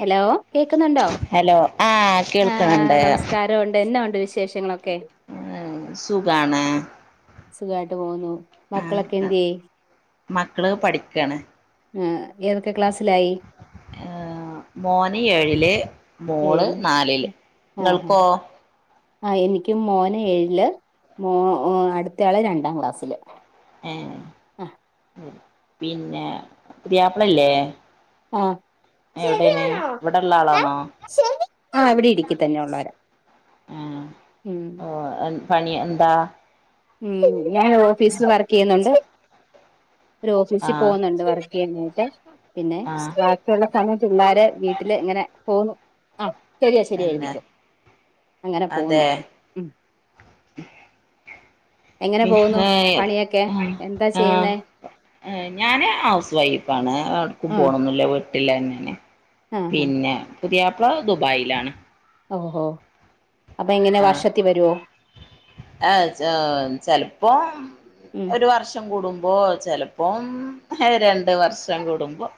Hello. കേക്കുന്നുണ്ടോ. Hello ആഹ് ആഹ് കേൾക്കണണ്ട് നമസ്കാര ഉണ്ട് എന്നാ ഉണ്ട് വിശേഷങ്ങളൊ ആഹ് സുഖാണ് സുഖായിട്ട് പോവുന്നു. മക്കളൊക്കെ ആഹ് എന്തേയ് മക്കള് പഠിക്കാണ് ഉം ഏതൊക്കെ ക്ലാസ്സിലായി ആഹ് മോന് ഏഴ്ല്. മോള് ഏഴില് നാലില്. ഇങ്ങൾക്കോ ആയ് എനിക്ക് മോന് ഏഴില്. മോ ഓ അടുത്തയാള് രണ്ടാം ക്ലാസ്സില് ആഹ് പിന്നെ പ്യാപ്പ്ളല്ലേ ആഹ് എവിടേണ് ശരിയാണോ ഇവിട്ള്ള ആളാ ആഹ് ഇവിടെ ഇടുക്കിത്തന്നെ ഉള്ളവരാ ആഹ് ഓഹ് പണി എന്താ ഉം ഞാൻ ഓഫീസി വർക്കീയ്യുന്നുണ്ട് ഒരൊഫീസി ആഹ് പോവുന്ന്ണ്ട് വർക്കീയ്യാൻ വേണ്ടീട്ട് പിന്നെ ആഹ് ബാക്കിയുള്ള സമയത്ത് ള്ളാര് വീട്ടില് ഇങ്ങനെ പോവുന്നു ആ ശരിയാ ശരിയ തന്നെ എഴുതിക്കൊ അങ്ങനെ പോവുന്നു അതെ ഉം എങ്ങനെ പോവുന്നു പണിയൊക്കെ എന്താ ആഹ് ചെയ്യുന്നെ ഞാന് ഹൗസ് വൈഫാണ്. എട്ക്കും ആഹ് പോണൊന്നില്ല വീട്ടില്ലന്നേണ് ആഹ് പിന്നെ പുതിയാപ്പ്ള ദുബായീലാണ് ഓഹോ അപ്പൊ എങ്ങനെ ആഹ് വർഷത്തി വരോ ആഹ് ച്ചാ ചെലപ്പൊം ഉം ഒരു വർഷം കൂടുമ്പൊ ഔഹ് ചെലപ്പോം ര രണ്ട് വർഷം കൂടുമ്പൊ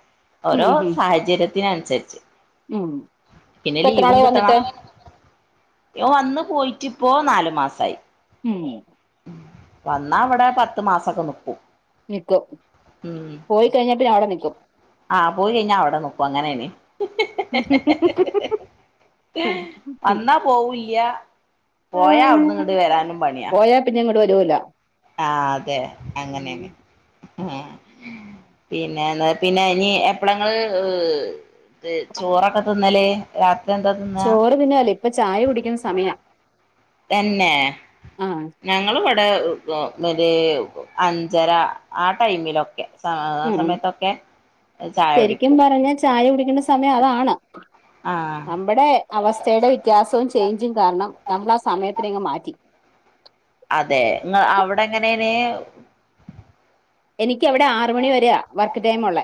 ഉം ഓരോ ഉം സാഹചര്യത്തിനനുസരിച്ച് ഉം പിന്നെ ഇപ്പ ലീവും എത്രനാളായി വന്നിട്ട് കിട്ടണം ഓ വന്ന് പോയിട്ടിപ്പൊ നാല് മാസായി ഉം വന്നാ അവ്ടെ പത്തു മാസൊക്കെ നിക്കും നിക്കും. ഉം പോയി കഴിഞ്ഞിട്ട് ഞാ അവ്ടെ നിക്കും ആഹ് പോയി കഴിഞ്ഞ അവ്ടെ നിക്കും അങ്ങനെലെ [inaudible] വന്നാ പോവൂല്ല്യാ പോയാ അവിട്ന്ന് ഇങ്ങ്ട്ട് വരാനും പണിയാ പോയാ പിന്നെ ഇങ്ങോട്ട് വരൂല ആഹ് അതെ. ഉം. അങ്ങനേണ് ആഹ് പിന്നെ ന്നാ പിന്നെ ഇനീ എപ്പളാങ്ങള് ഹ് ചോറൊക്കെ തിന്നല് രാത് ചോറ് പിന്നലെ ഇപ്പൊ ചായ കുടിക്ക്ന്ന സമയ തന്നേ. ഞങ്ങള്വ്ടേവ് മറ്റേവ് അഞ്ചര ആ ടൈമിലൊക്കെ സാധാ ഉം സമയത്തൊക്കെ ശരിക്കും ചായുടിക്കും പറഞ്ഞാ ചായ സമയം അതാണ്. ആ നമ്മ്ടേ അവസ്ഥേടെ വ്യത്യാസവും ചേഞ്ചിംഗ് കാരണം നമ്മ്ള സമയത്തിനേങ്ങ് മാറ്റി അതെ അവിടെ എങ്ങനെന എനിക്ക് അവിടെ ആറ മണി വരെയ വർക്ക് ടൈം ഉള്ള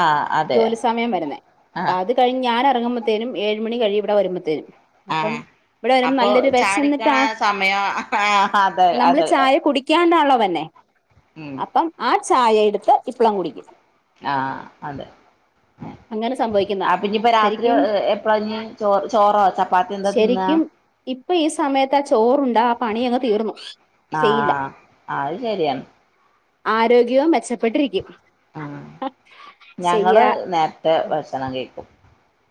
ആ അതെ ജോലി സമയം വരുന്നേ ആ അപ്പൊ അത് കഴിഞ്ഞ് ഞാന ഇറങ്ങുമ്പത്തേനും ഏഴ് മണി കഴിയിവിട വരുമ്പോത്തേനും ആ അപ്പം ഇവിടെ വര അപ്പൊ നല്ലൊരു വിശ ചാടിക്കണ എന്നിട്ടാണ് സമയം ആ അതെ നമ്മള് അതെ ചായ കുടിക്കാണ്ടാളോ ഉം ആ ചായ എടുത്ത് ഇപ്പ്ളം കുടിക്കും ആഹ അതെ അങ്ങനെ സംഭവിക്കുന്ന ആ പിന്നയിപ്പ രാത്രി ശരിക്കും എപ്പഴഞ്ഞ് ചോ ചോറോ ചപ്പാത്തി എന്താ തിന്നാ ശരിക്കും ഇപ്പൊ ഈ സമയത്ത് ആ ചോറണ്ട് ഇാ ആ പണി അങ്ങ് തീർന്നു ചെയ്യില്ല ആഹ് അത് ശരിയാണ് ആരോഗ്യവും മെച്ചപ്പെട്ടിരിക്കും ഉ ഞങ്ങള് ചെയ്യാ നേരത്തെ ഉം. ഭക്ഷന കേൾക്കും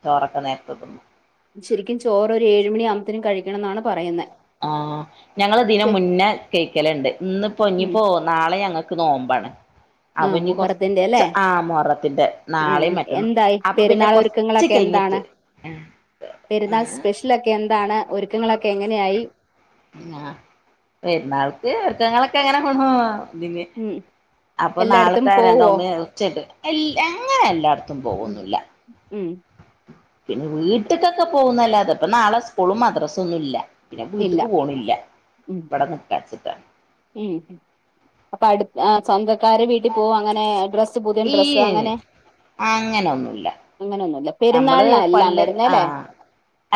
ചോറൊക്കെ നേരത്തെ തിന്നും ശരിക്കും ചോറ് ഒരു ഏഴുമണിയ ആകുമ്പത്തേും കഴിക്കണം എന്നാണ് പറയുന്ന ആ ഞങ്ങള് ദ മുന്നേ കേൾക്കലുണ്ട് ഇന്ന്പ്പോ ഉം. ഇനിപ്പോ നാളെ ഞങ്ങക്ക് ക്ക് നോമ്പാണ് ആ അനി മുഹറത്തിന്റെ അല്ലെ കൊറച്ച് ആ മൊറത്തിന്റെ ആഹ് നാളെയും മറ്റന്ന എന്തായി അപ്പൊ പിന്നെ പെരുന്നാൾ കൊറച്ച് ഒരുക്കങ്ങളൊക്കെ കഴിഞ്ഞിട്ട് എന്താണ് പെരുന്നാൾ ആഹ് സ്പെഷ്യലൊക്കെ എന്താണ് ഒരുക്കങ്ങളൊക്കെ എങ്ങനെയായി ആ പെരുന്നാൾക്ക്ക്കങ്ങളൊക്കെ എങ്ങനെ കൊണു ഇതിന് ഉം അപ്പൊ എല്ലായിടത്തും നാളത്തെ രണ്ട പോവോ ഉമ്മയും ഉറച്ചിട്ട് എല്ല അങ്ങനെ എല്ലായിടത്തും ഉം പോകന്നില്ല ഉം പിന്നെ വീട്ടക്കൊക്കെ പോകുന്നല്ലാ അതെ ഇപ്പ നാളെ സ്പൂളും മദ്രസ ഒന്നും ഇല്ല പിന്നെ ഇല്ല വീട്ടക്ക് പോണില്ല ഉം ഇവിടെ നിക്കാച്ചിട്ടാണ് ഉം അപ്പൊ അടു സ്വന്തക്കാര് വീട്ടിൽ പോകും അങ്ങനെ ഡ്ര ഈ അങ്ങനെൊന്നുമല്ല അങ്ങനെയൊന്നുമില്ല നമ്മള് പെരുന്നാളിനാ എല്ലാം കൊല്ല വരുന്നേ അല്ലേ ആഹ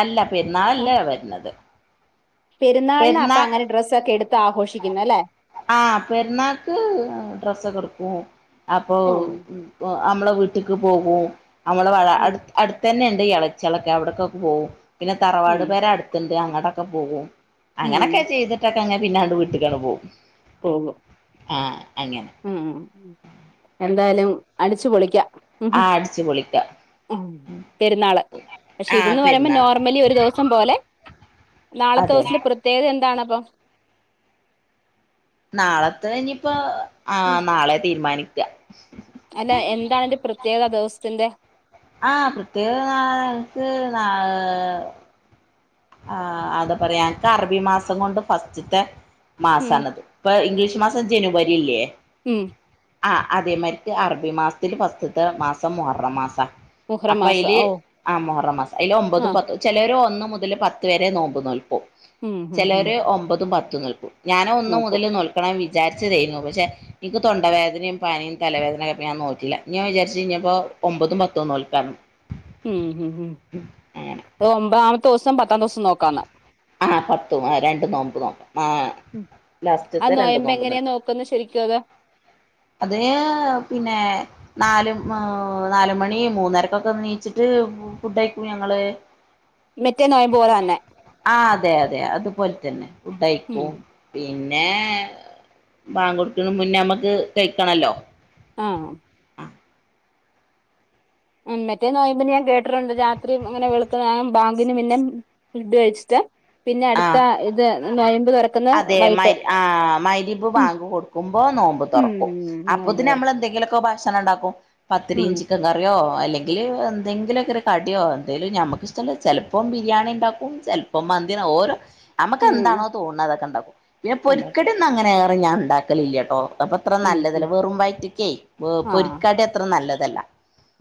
അല്ല പിരന്നാളല്ലേ വരുന്നത് പെുന്നാനാ അപ്പൊ അങ്ങനെ ഡ്രസ്ക്കെ എടുത്ത് ആഘോഷിക്കും ആഹ് പെർണാക്ക് ഡ്രസ്സ കൊടുക്കും അപ്പൊ ഉം നമ്മളെ വീട്ടിലക്ക് പോകും നമ്മളെ വ അ അടുത്തതന്നെ ഉണ്ട് ഇളച്ചിളൊക്കെ അവിടക്കൊക്കെ പോകവും പിന്നെ ഉം തറവാട് പേരെ അടുത്തണ്ട് അങ്ങോട്ടൊക്കെ പോകും ഉം അങ്ങനൊക്കെ ചെയ്തിട്ടൊക്കെ ങ്ങനെ പിന്നാണ്ട് വീട്ടിക്കാണ് പോകവും പോകും ആ ഉം എന്തായാലും അടിച്ചു പൊളിക്കാം ആഹ് അടിച്ചു പൊളിക്ക പെരുന്നാള് പക്ഷെ ആ ഇതന്ന് പറയുമ്പോ പെരുന്നാൾ നോർമലി ഒരു ദിവസം പോലെ നാളെത്തെ അതെ ദിവസിന്റെ പ്രത്യേകത എന്താണപ്പൊ നാളത്തെ കഞ്ഞപ്പോ ആ ഉം നാളെ തീരുമാനിക്കുക അല്ല എന്താാണ് ഒരു പ്രത്യേകത ദിവസത്തിന്റെ ആഹ പ്രത്യേകം ന എനിക്ക് നാ ആ് അത പറയാ എക്ക് അറബി മാസം കൊണ്ട് ഫസ്റ്റത്തെ ഉം മാസാണത് ഇപ്പൊ ഇംഗ്ലീഷ് മാസം ജനുവരി ഇല്ലേ ഉം ആ അതേമാതിരിക്ക് അറബി മാസത്തിൽ വസ്തുത്തെ മാസം മുഹറം മാസ മുഹറം അപ്പൊ മാസം അതില് ഓ ആ മുഹറം മാസം ആയില് ഒമ്പതും ആഹ് പത്തും ചിലര് ഒന്ന മു പത്ത് വരെ നോമ്പ് നോൽക്കും ഉം ഉം ഉം ചിലര് ഒമ്പതും പത്തും നോൽക്കും ഞാനൻ ഒന്ന് മുതൽ നോക്കും നോക്കണം വി വിചാരിച്ച തുന്നു പക്ഷേ എനിക്ക് തൊണ്ടവേദനയും പാനിയ തലവേദനൊക്കെ ഞാൻ നോട്ടില്ല ഞാൻ വിചാരിച്ച് ഞ്ഞപ്പോ ഒമ്പതും പത്തോന്നോൽ ക്കാരരുന്നു ഉം ഹ ഉ ഒമ്പതാമത്തെ ദിവസം പത്താം ദിവസം നോക്കാന്ന് ആഹ് പത്തും രണ്ടും നോമ്പത് നോമ്പ ആഹ് ഉം അത് ലാസ്റ്റത്തെ രണ്ടു നൊയമ്പ് നോമ്പ് എങ്ങനെയാ നോറ്റ് നോക്കുന്നെ ശരിക്കും അത് അതിന് പിന്നെ നാല് നാല് മണി മൂന്നരക്കൊക്കെ നീച്ചിട്ട് ഫുഡയ്ക്കും ഞങ്ങള് മറ്റേ നോയമ്പോലന്നെ ആഹ് അതെ അതെ അതുപോലെ തന്നെ ഉം ഫുഡയ്ക്കും പി പിന്നെ ബാങ്കൊടുക്കന് മുന്നേ നമ്മക്ക് കഴിക്കണല്ലോ ആഹ് മറ്റേ നോയ്മ്പ്ന് ഞാൻ കേട്ടിട്ടുണ്ട് രാത്രി അങ്ങനെ വെള്ക്കണേരം ബാങ്കിന് പിന്നെ ഫുഡ് കഴിച്ചിട്ട് പിന്നെ ആ അടുത്ത ഇത് നൊയ്മ്പ് അതെ മ ആഹ് മരിബ് ഉം വാങ്ക് കൊടുക്കുമ്പോ നോമ്പ് തുറക്കും ഉം നൊയമ്പ് അപ്പത്തിന് തുറ നമ്മളെന്ത ന്തെങ്കിലൊക്കെ ഭക്ഷണം ണ്ടാക്കും പത്തിരിം ഉം ചിക്കൻ കറിയോ അല്ലെ എന്തെങ്കിലുക്കെ കടിയോ എന്തായാലും നമുക്കിഷ്ടമ ചെലപ്പോ ബിരിയാണിണ്ടാക്കും ചിലപ്പോ മന്തി ഓരോ ഉം നമുക്കെന്താണോ തോന്നണ അതൊക്കെണ്ടാക്കും പിന്നെ ഉണ്ടാക്കും പൊരിക്കടി ഒന്ന്ങ്ങനേറെ ഞാൻ ഉണ്ടാക്കലില്ലട്ടോ അപ്പത്ര ഉം നല്ലതല്ല ഉം വെറും വയറ്റ്ക്കെ ആഹ് പൊരിക്കാടി അത്ര നല്ലതല്ല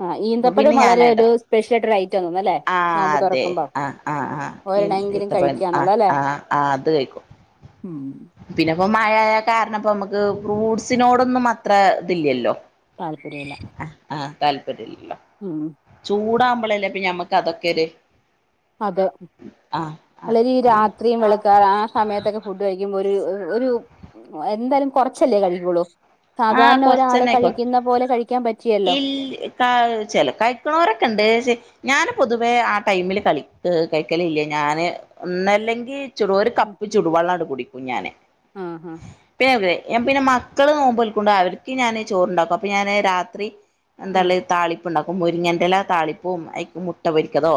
ആഹ് അപ്പൊ ഈന്തപ്പഴം പിന്നെ വളരെ ഞാനായിട്ട ഒരു സ്പെഷ്യൽ ആയിട്ട് ഒരു ഐറ്റം തോന്നുന്നു അല്ലേ ആഹ് നോമ്പ് അതെ തുറക്കുമ്പോ ആഹ് ആഹ് ആഹ് ഒരെണ്ണമെങ്കിലും ഇത്തപ്പഴ കഴിക്കാന്നുള്ള ആഹ് അല്ലേ ആഹ് ആഹ് അത് കഴിക്കും ഉം പ്പൊ മഴയായ കാരണം ഇപ്പ നമുക്ക് ഫ്രൂട്സിനോടൊന്നും അത്ര ഇതില്ലല്ലോ താല്പര്യല്ല താല്പര്യമില്ല ഉം ചൂടാവുമ്പോളല്ലേ അപ്പ ഞമ്മക്ക് അതൊക്കെര് അതെ അല്ലെങ്കി അതെ രാത്രിയും വെളക്കാർ ആ സമയത്തൊക്കെ ഫുഡ് കഴിക്കുമ്പോ ഒര് - ഒരു എന്തായാലും കൊറച്ചല്ലേ കഴിക്കുളൂ സാധാരണ ഒരാള് കഴിക്കുന്ന പോലെ കഴി ഇ ക ചെല കഴക്കണോരൊക്കെ ഉണ്ട് ഞാന പൊതുവെ ആ ടൈമില് കളി കഴിക്കലില്ല ഞാന് ഒന്നല്ലെങ്കിൽ ച ഒരു കപ്പ് ചുടുവെള്ളംട് കുടിക്കും ഞൻ ആഹ് പിന്നെ പിന്നെ മക്കള് നോമ്പൊൽ പ്പുണ്ടാ അവർക്ക് ഞാന് ചോറ്ണ്ടാക്കും, അപ്പൊ ഞാന് രാത്രി ആഹ് എന്താള്ളത് താളി പ്പ്ണ്ടാക്കും. മുരിങ്ങൻന്റെല താളിപ്പും അയ്ക്ക് മുട്ട പൊരിക്കലോ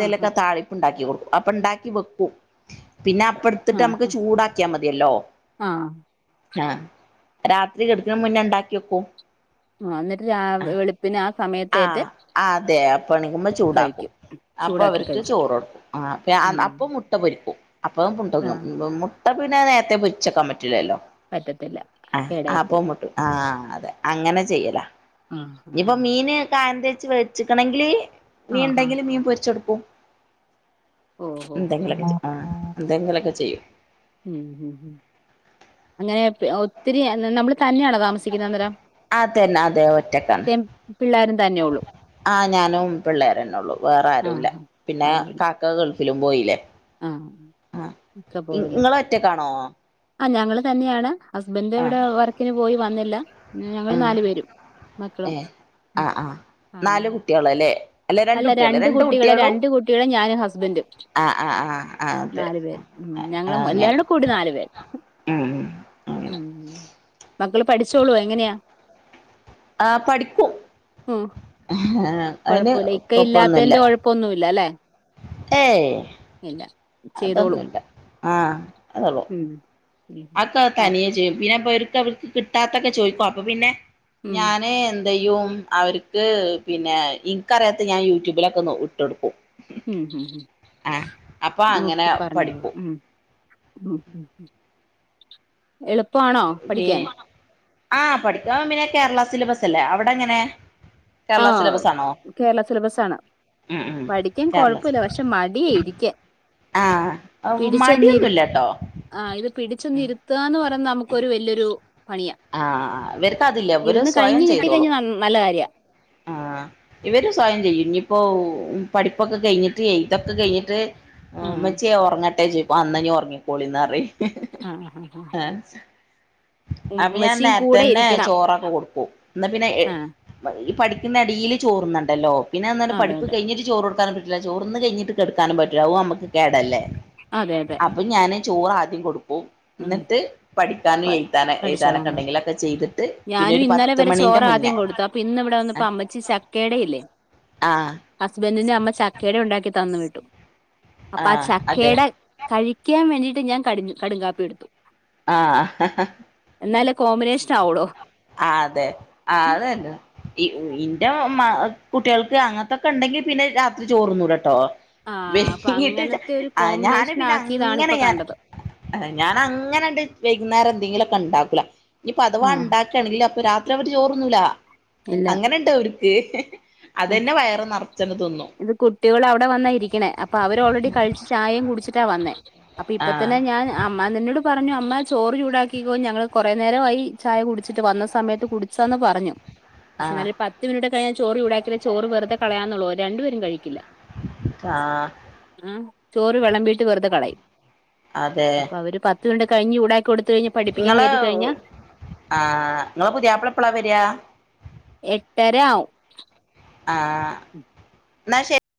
ആഹ് താളിപ്പ് ണ്ടാക്കി കൊടുക്കും. അപ്പ ണ്ടാക്കി വെക്കൂ. പിന്നെ അപ്പ എടുത്തിട്ട് നമുക്ക് ആഹ് ചൂടാക്കിയാ മതിയല്ലോ ആഹ് ആഹ് രാത്രി കെടുക്ക്ണ മുന്നേ ണ്ടാക്കിയെക്കും. ആഹ് എന്നിട്ട് രാ അഹ്, വെളുപ്പിന് ആ സമയത്തേറ്റ് ആഹ് അതെ, അപ്പ എണിക്കുമ്പോ ചൂടാക്കും. കഴിക്കും അപ്പൊ ചൂടാക്കി അവർക്ക് കഴിക്കും ചോറൊടുക്കും. ആ അപ്പൊ ഞാ ഉം അപ്പ മുട്ട പൊരിക്കും. അപ്പൊ പുണ്ടങ്ങും. ആഹ് മുട്ട പിന്നെ നേരത്തെ പൊരിച്ചക്കാൻ പറ്റില്ലല്ലോ. പറ്റത്തില്ല. അഹ്, കേടായി ആപ്പ പോവും മുട്ടു ആഹ് അതെ അങ്ങനെ ചെയ്യല. ആഹ് ആഹ് ഞ്ഞിപ്പം മീന് കായം തേച്ച് വെൾച്ചിക്കണെങ്കില് മീൻ ഉണ്ടെങ്കില് മീൻ പൊരിച്ചെടുക്കും. ഓഹ് ഓ എന്തെങ്കിലൊക്കെ ആ ഉം എന്തെങ്കിലൊക്കെ ചെയ്യും അങ്ങനെ ഒത്തിരി നമ്മള് തന്നെയാണോ താമസിക്കുന്ന അന്നരം അതന്നെ അതെ ഒറ്റക്കാണ്. പിള്ളേരും തന്നെ ഉള്ളൂ ആഹ് ഞാനും പിള്ളേരന്നെള്ളു വേറെ ആരുല്ല ആഹ് പിന്നെ ആരുമില്ല കാക്ക ഗൾ ത്തിലും പോയില്ലേ ആഹ്, ആ ഇക്ക പോയല്ലോ. ഇങ്ങള് ഒറ്റക്കാണോ ആ ഞങ്ങള് തന്നെയാണ്, ഹസ്ബൻഡ് ആ ഇവിടെ വർക്കിന് പോയി വന്നില്ല. ഞങ്ങള് നാലു പേരും. മക്കളും അഹ് അ ആ അല്ല കുട്ടികള് രണ്ട് കുട്ടികളെ കുട്ടികളും രണ്ട് കുട്ടികളെ ഞാനും ഹസ്ബൻഡും ആ ആ ആ ആ അതെ നാലു പേര് ഉ ആ ഞങ്ങും അങ്ങനെ എല്ലാവരുും കൂടി നാലു പേര് ഉം ഉം അങ്ങനെ ഉം മക്കള് പഠിച്ചോളൂ എങ്ങനെയാ ആഹ പഠിക്കും അതിന് കുഴപ്പില്ല ഇക്ക കൊഴപ്പൊന്നുല്ല ഇല്ലാത്തന്റെ കൊഴപ്പൊന്നുമല്ല അല്ലെ ഏയ് ഇല്ല ചെയ്തോളും അതൊന്നുമില്ല ആഹ അതള്ളു ഉം ഉം അക്കെ ആഹ് തനിയെ ചെയ്യും പിന്നെർക്ക് അവർക്ക് കിട്ടാത്തൊക്കെ ചോദിക്കോ അപ്പൊ പിന്നെ ഉം ഞാന് എന്ത്യും അവർക്ക് പിന്നെ ഇനിക്ക്റിയാത്ത ഞാൻ യൂട്യൂബിലൊക്കെ ഇട്ടെടുക്കും ഉം ഹ അപ്പൊ അങ്ങനെ നോക്കി പറഞ്ഞോളൂ പഠിക്കും ഉം ഉം എളപ്പ പി ആഹ പഠിക്കാ പിന്നെ കേരള സിലബസ് അല്ലേ അവിടെ എങ്ങനെ കേരള ആഹ സിലബസ് ആണോ കേരള സിലബസ് ആണ് ഉം ഉം പഠിക്കാൻ കൊഴപ്പില്ല പക്ഷെ മടിയ ഇരിക്ക ആഹ മടിയൊന്നുമല്ലട്ടോ പിടിച്ചു നിരുത്തുകന്ന് പറഞ്ഞ നമുക്കൊരു വലിയൊരു പണിയാ ആഹ് ഇവർക്ക് അതില്ല ഇവര് ഇരുന്ന് സ്വയം കഴിഞ്ഞഞ് കിട്ടി ചെയ്തോളും കഴിഞ്ഞഞ് നല്ല കാര്യ ആഹ് ഇവര് സ്വായം ചെയ്യും ഇനിയിപ്പോൊ പഠിപ്പൊക്കെ കഴിഞ്ഞിട്ട് എഴുതൊക്കെ കഴിഞ്ഞിട്ട് ആ ആഹ് മച്ചേ ഉറങ്ങട്ടെ ച അന്നഞ്ഞ ഉറങ്ങിക്കോളിന്നറി ആഹ ഉഹ അപ്പൊ ഞാൻ നേരത്തെ തന്നെ ഇരിക്കണം ചോറൊക്കെ കൊടുക്കു എന്ന പിന്നെ ആഹ് പഠ പ അടിയിൽ ചോറുന്നുണ്ടല്ല പിന്നെന്ത അതെ പഠപ്പ് അതെ കിഞ്ഞി് ചോറ് കൊടുക്കാൻ ചോറന്ന് കഴിഞ്ഞിട്ട് കടുക്കാനും പറ്റില്ല അും നമ്മക്ക് കേടല്ലേ അതെ അതെ അപ്പൊ ഞാന് ചോറ് ആദ്യം കൊടുക്കും എന്നിട്ട് പഠിക്കാനുംയി പഠിച്ചോളാംമ്പ പിന്നെ ഞാനും ഒരു ഇന്നലെ പത്ത് വരെ ചോറ മണിന്റെ ആദ്യം മുന്നേ ആ കൊടുത്ത അപ്പൊ ഇന്ന് ഇവിടെ വന്നപ്പോ അമ്മച്ചി ച ക്കേടയില്ലേ ആഹ ന്റെ അമ്മ ചക്കേട ഉണ്ടാക്കി തന്ന വിട്ടും അപ്പ ആ ആഹ് അതെ ചക്കേട കഴിക്കാൻ വേണ്ടി ഞാൻ ക കടുംകാപ്പി എടുത്തു ആഹ എന്നാല കോമ്പിനേഷൻ ആവളോ അതെ അതെന്നെ ഇന്റെ കുട്ടികൾക്ക് അങ്ങനത്തൊക്കെ ഉണ്ടെങ്കി പിന്നെ രാത്രി ചോറന്നൂല കേട്ടോ ആ അപ്പൊ വിട്ട് അങ്ങനത്തെ ഒരു ഞാന് കോമ്പിനേഷൻ പിന്നെ ആക്കിയതാണ് അങ്ങനെ ഇപ്പൊ ഞൻ കണ്ടത് അത ഞാൻ അങ്ങനെണ്ട് വൈകുന്നേരം എന്തെങ്കിലുമ ഒക്കെ ഉണ്ടാക്കൂല ഇനി പ അതിവാ ആഹ് ഉണ്ടാക്ക അ രാത്രി അവര് ചോറന്നൂല ഇല്ല അങ്ങനെ ഇണ്ടോ അവർക്ക് അതന്നെ വയറ് നിറച്ചണ ഇത് കുട്ടികൾ അവിടെ വന്ന ഇരിക്കണേ അപ്പൊ അവര് ഓൾറെഡി കഴിച്ച് ചായയും കുടിച്ചിട്ട വന്നേ അപ്പൊ ഇപ്പ ആഹ് തന്നെ ഞാൻ അമ്മാ നിന്നോട് പറഞ്ഞു അങ്ങ ചോറ് ചൂടാക്കിക്കോ ഞങ്ങള്ൾ കൊറെ നേരമായി ചായ കുടിച്ചിട്ട് വന്ന സമയത്ത് കുടിച്ചാന്ന് പറഞ്ഞു പക്ഷെ ആഹ് നല്ല പത്ത് മിനിട്ട കഴിഞ്ഞാൽ ചോറ് ടാക്കിയില്ല ചോറ് വെറുതെ കളയന്നുള്ളൂ രണ്ടുേരും കഴിക്കില്ല ആഹ ചോറ് വിളമ്പിീട്ട് വെറുത കളയും അതെ ണ്ട് കഴഞ്ഞൂട നിങ്ങളെ ആ നിങ്ങളെ പുതിയപ്പള എപ്പഴാ വരിയാ എട്ടരയാവും ആഹ എന്നാ ശരി